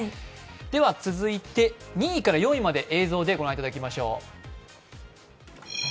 では続いて２位から４位まで映像でご覧いただきましょう。